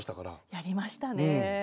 やりましたねえ。